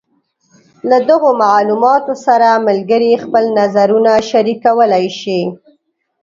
له دغو معلوماتو سره ملګري خپل نظرونه شریکولی شي.